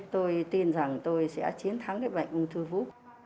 tôi tin rằng tôi sẽ chiến thắng cái bệnh ung thư vú